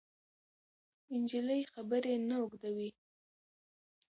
نجلۍ خبرې نه اوږدوي.